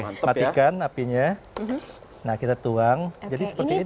nah matikan apinya nah kita tuang jadi seperti ini